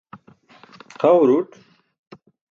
xa huruṭ